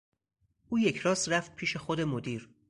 او یکراست رفت پیش خود مدیر.